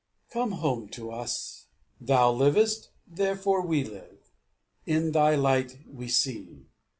Come home to us. Thou livest; therefore we live. In thy light we see.